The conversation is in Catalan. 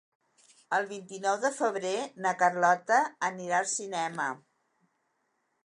El vint-i-nou de febrer na Carlota anirà al cinema.